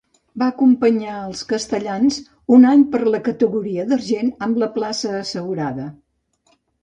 Va acompanyar als castellans un any per la categoria d'argent, amb la plaça assegurada.